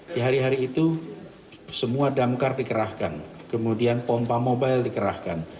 di hari hari itu semua damkar dikerahkan kemudian pompa mobile dikerahkan